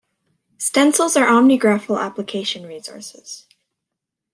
Stencils are OmniGraffle application resources.